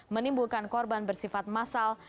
menimbulkan korban bersifat massal